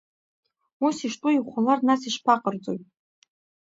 Ус иштәоу ихәлар, нас ишԥаҟарҵои?